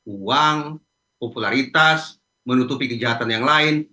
uang popularitas menutupi kejahatan yang lain